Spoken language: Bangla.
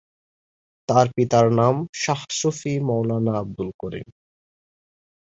তার পিতার নাম শাহ সুফী মৌলানা আবদুল করিম।